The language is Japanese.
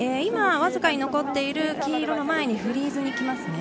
わずかに残っている黄色の前にフリーズに行きます。